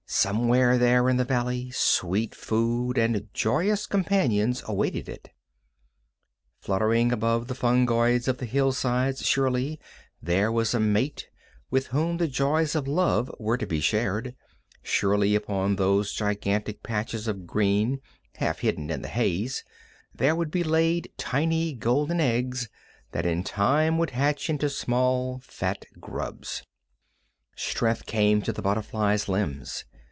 Somewhere there in the valley sweet food and joyous companions awaited it. Fluttering above the fungoids of the hillsides, surely there was a mate with whom the joys of love were to be shared, surely upon those gigantic patches of green, half hidden in the haze, there would be laid tiny golden eggs that in time would hatch into small, fat grubs. Strength came to the butterfly's limbs.